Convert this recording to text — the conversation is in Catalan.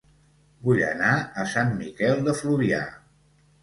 Vull anar a Sant Miquel de Fluvià